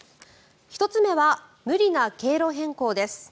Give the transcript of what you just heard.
１つ目は無理な経路変更です。